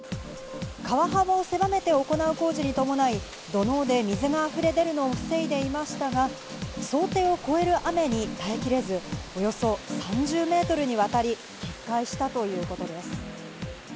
川幅を狭めて行う工事に伴い、土のうで水が溢れ出るのを防いでいましたが、想定を超える雨に耐え切れず、およそ３０メートルにわたり決壊したということです。